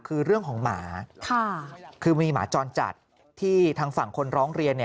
คือเรื่องของหมาคือมีหมาจรจัดที่ทางฝั่งคนร้องเรียน